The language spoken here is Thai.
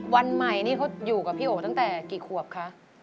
วันใหม่นี่เขาอยู่กับพี่โอตั้งแต่กี่ขวบคะ